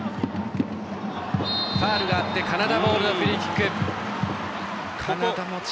ファウルがあってカナダボールのフリーキック。